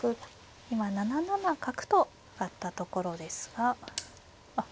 今７七角と上がったところですがあっ